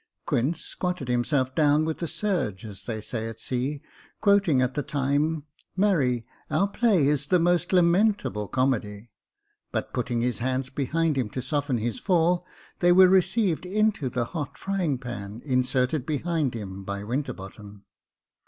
Quince squatted himself down with a surge, as they say at sea, quoting at the time —*' Marry, our play is the most lamentable comedy," — but putting his hands behind him to soften his fall, they were received into the hot frying pan, inserted behind him by Winterbottom.